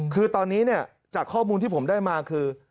คือตอนนี้เนี่ยจากข้อมูลที่ผมได้มาคือ